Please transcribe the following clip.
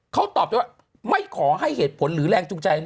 เขาตอบได้ว่าไม่ขอให้เหตุผลหรือแรงจูงใจ